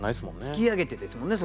「突き上げて」ですもんね